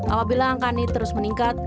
apabila angka ini terus meningkat